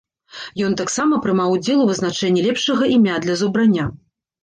Ён таксама прымаў удзел у вызначэнні лепшага імя для зубраня.